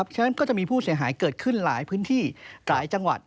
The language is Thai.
ฉะนั้นก็จะมีผู้เสียหายเกิดขึ้นหลายพื้นที่หลายจังหวัด